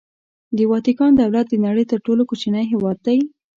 د واتیکان دولت د نړۍ تر ټولو کوچنی هېواد دی.